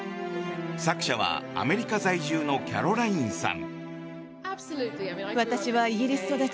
作者は、アメリカ在住のキャロラインさん。